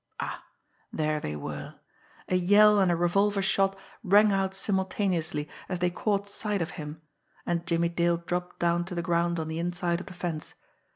Ah! There they were! A yell and a revolver shot rang out simultaneously as they caught sight of him and Jimmie Dale dropped down to the ground on the inside of the fence.